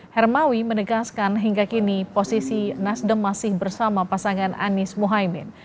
hermawi menegaskan hingga kini posisi nasdem masih bersama pasangan anies mohaimin